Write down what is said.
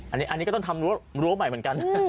อันนี้ก็ต้องทำรั้วใหม่เหมือนกัน